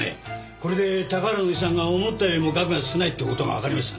これで高原の遺産が思ったよりも額が少ないって事がわかりましたね。